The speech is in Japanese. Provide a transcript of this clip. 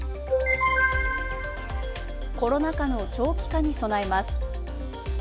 コロナ禍の長期化に備えます。